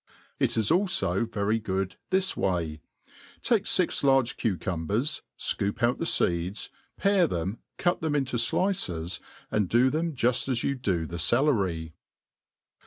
It is alfo very good this way : take fix large cucpmbers, fcoop out the feeds, pare them, cut tKe(}i into dices, and do them juft as you do the celery.